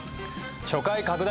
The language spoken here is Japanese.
初回拡大